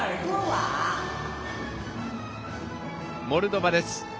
モルドバです。